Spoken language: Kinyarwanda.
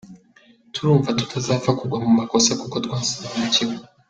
Turumva tutazapfa kugwa mu makosa kuko twasobanukiwe”.